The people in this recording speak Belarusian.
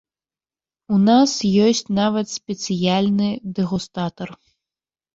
У нас ёсць нават спецыяльны дэгустатар.